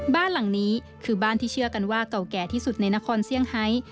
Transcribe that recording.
บ้านหลังนี้คือบ้านที่เชื่อกันว่าเก่าแก่ที่สุดในนครเซี่ยงไฮ